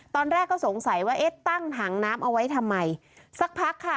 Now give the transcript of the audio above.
ตอนแรกก็สงสัยว่าเอ๊ะตั้งถังน้ำเอาไว้ทำไมสักพักค่ะ